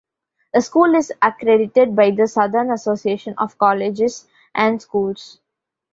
The school is accredited by the Southern Association of Colleges and Schools.